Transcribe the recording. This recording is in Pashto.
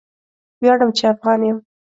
ویاړم چې افغان یم.